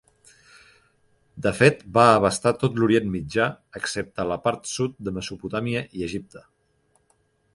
De fet va abastar tot l'Orient Mitjà excepte la part sud de Mesopotàmia i Egipte.